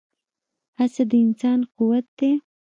هڅه د انسان قوت دی.